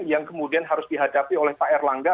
yang kemudian harus dihadapi oleh pak erlangga